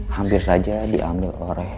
hampir saja diambil oleh